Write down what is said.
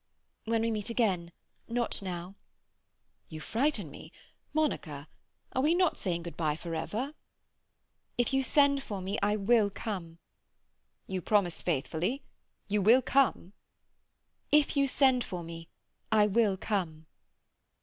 "When we meet again—not now." "You frighten me. Monica, we are not saying good bye for ever?" "If you send for me I will come." "You promise faithfully? You will come?" "If you send for me I will come."